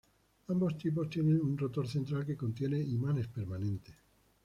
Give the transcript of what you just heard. Ambos tipos tienen un rotor central que contiene imanes permanentes.